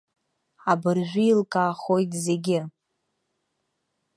Абыржәы еилкаахоит зегьы.